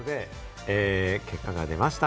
結果が出ました。